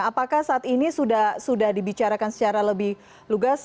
apakah saat ini sudah dibicarakan secara lebih lugas